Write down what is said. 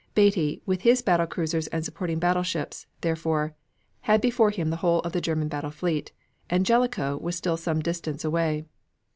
Beatty, with his battle cruisers and supporting battleships, therefore, had before him the whole of the German battle fleet, and Jellicoe was still some distance away.